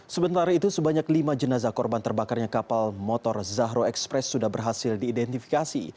sementara itu sebanyak lima jenazah korban terbakarnya kapal motor zahro express sudah berhasil diidentifikasi